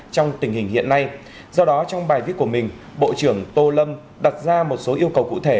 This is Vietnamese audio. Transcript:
trong tình hình hiện nay do đó trong bài viết của mình bộ trưởng tô lâm đặt ra một số yêu cầu cụ thể